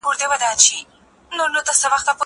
زه مخکې منډه وهلې وه!